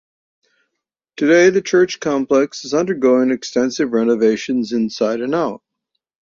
Today the church complex is undergoing extensive renovations inside and out.